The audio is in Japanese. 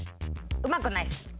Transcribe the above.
うまくないっす。